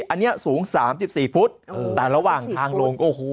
อันนี้สูง๓๔ฟุตแต่ระหว่างทางลงโอ้โห